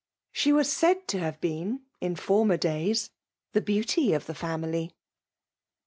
She was said to have been^ in days^ the beauty of the family. .